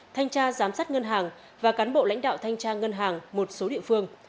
thanh tra giám sát ngân hàng và cán bộ lãnh đạo thanh tra ngân hàng một số địa phương